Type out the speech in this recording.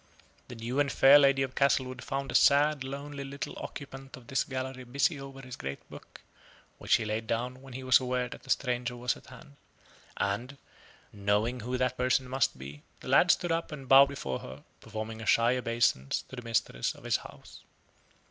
The new and fair lady of Castlewood found the sad, lonely, little occupant of this gallery busy over his great book, which he laid down when he was aware that a stranger was at hand. And, knowing who that person must be, the lad stood up and bowed before her, performing a shy obeisance to the mistress of his house.